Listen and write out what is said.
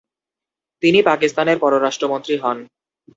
তিনি পাকিস্তানের পররাষ্ট্রমন্ত্রী হন।